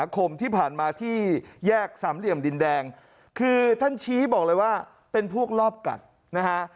คือท่านเช๊มป์บอกแรงเลยว่าเป็นพวกลอบกัดนะฮะ